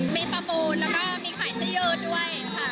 มีประมูลแล้วก็มีข่ายใส่ยื่นด้วยค่ะ